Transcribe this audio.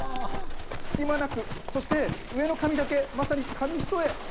隙間なく、そして上の紙だけ、まさに紙一重。